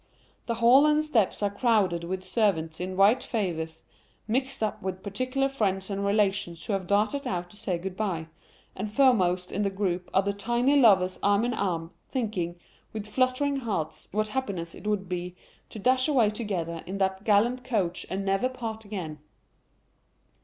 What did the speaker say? The hall and steps are crowded with servants in white favours, mixed up with particular friends and relations who have darted out to say good bye; and foremost in the group are the tiny lovers arm in arm, thinking, with fluttering hearts, what happiness it would be to dash away together in that gallant coach, and never part again.